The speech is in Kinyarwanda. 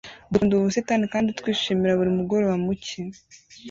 Dukunda ubu busitani kandi twishimira buri mugoroba mu cyi